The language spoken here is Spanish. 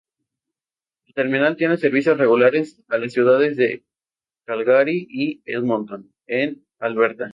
El terminal tiene servicios regulares a las ciudades de Calgary y Edmonton en Alberta.